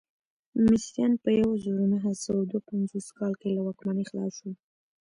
مصریان په یو زرو نهه سوه دوه پنځوس کال کې له واکمنۍ خلاص شول.